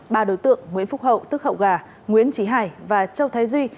ba đối tượng nguyễn phúc hậu tức hậu gà nguyễn trí hải và châu thái duy